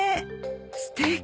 すてき！